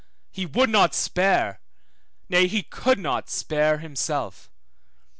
He would not spare, nay, he could not spare himself.